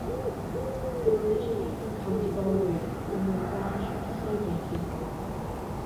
They were originally from County Galway and were a branch of the Soghain people.